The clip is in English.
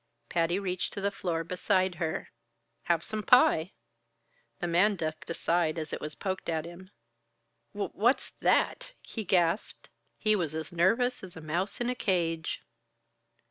Patty reached to the floor beside her. "Have some pie." The man ducked aside as it was poked at him. "W what's that?" he gasped. He was as nervous as a mouse in a cage.